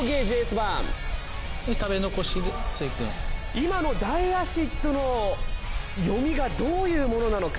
今のダイアシッドの読みがどういうものなのか？